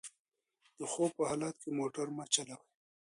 د خوب په حالت کې موټر مه چلوئ.